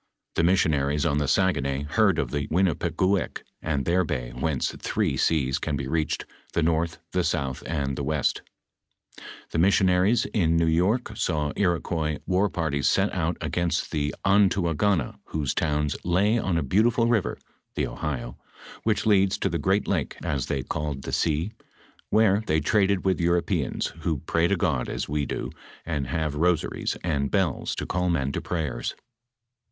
The miBsiomiries on the Sn<;uonay heord of the Win nipegouek, nnd their bay hence tlneo icas could he readied, the north, tlie eouth, and the west * Tlie ini8§ionarie» in ^New York saw Iroquois war parties set out against the Ontoo gannha whose towns " lay on a beautiful river [Ohio], which leads to the great lake as they called the sea, whore they traded with Europeans, who pray to God as we do, and have rosaries and bells to call men to prayers."